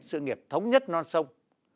sự nghiệp thống nhất non sông